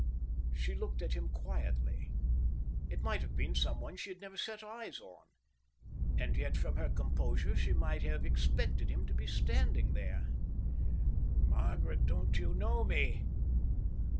She looked at him quietly. He might have been someone she had never set eyes on, and yet from her composure she might have expected him to be standing there. "Margaret, don't you know me?"